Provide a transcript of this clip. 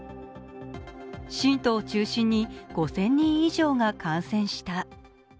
信徒を中心に５０００人以上が感染した。